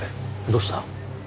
どうした？